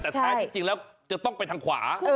แต่แท้จริงแล้วจะต้องไปทางขวา